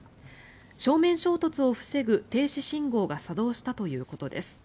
正面衝突を防ぐ停止信号が作動したということです。